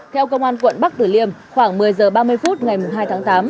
theo công an quận bắc tử liêm khoảng một mươi h ba mươi phút ngày hai tháng tám